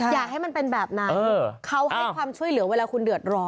อย่าให้มันเป็นแบบนั้นเขาให้ความช่วยเหลือเวลาคุณเดือดร้อน